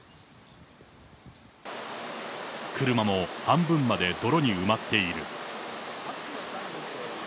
車も半分まで泥に埋まっている。